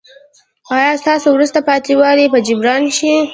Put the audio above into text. ایا ستاسو وروسته پاتې والی به جبران شي؟